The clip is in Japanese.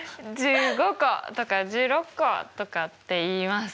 １５個とか１６個とかって言います。